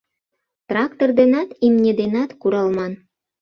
— Трактор денат, имне денат куралман.